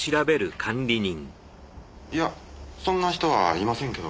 いやそんな人はいませんけど。